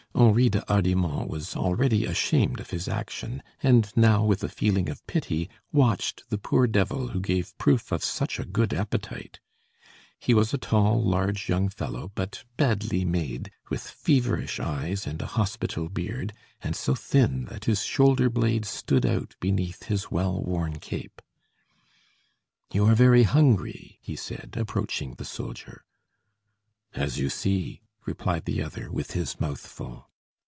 Henri de Hardimont was already ashamed of his action, and now with a feeling of pity, watched the poor devil who gave proof of such a good appetite. He was a tall, large young fellow, but badly made; with feverish eyes and a hospital beard, and so thin that his shoulder blades stood out beneath his well worn cape. "You are very hungry?" he said, approaching the soldier. "As you see," replied the other with his mouth full.